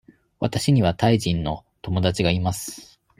わたしにはタイ人の友達がいます。